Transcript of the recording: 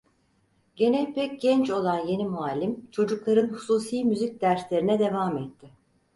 Gene pek genç olan yeni muallim çocukların hususi müzik derslerine devam etti.